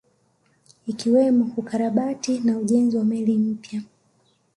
Ikiwemo ukarabati na ujenzi wa meli mpya